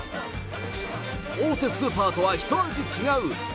大手スーパーとは一味違う。